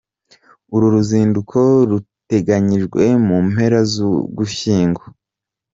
Uru ruzinduko ruteganyijwe mu mpera z’Ugushyingo.